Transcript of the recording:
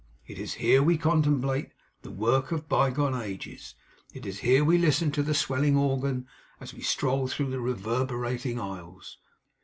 It is here we contemplate the work of bygone ages. It is here we listen to the swelling organ, as we stroll through the reverberating aisles.